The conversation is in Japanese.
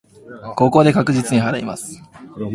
ここで確実に祓います。